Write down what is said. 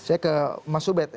saya ke mas ubed